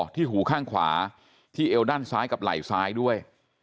ที่หูข้างขวาที่เอวด้านซ้ายกับไหล่ซ้ายด้วย